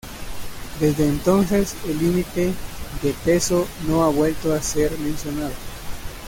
Desde entonces, el límite de peso no ha vuelto a ser mencionado.